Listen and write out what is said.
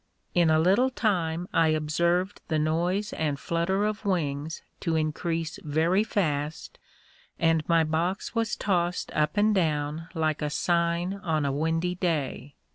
In a little time I observed the noise and flutter of wings to increase very fast, and my box was tossed up and down, like a sign on a windy day.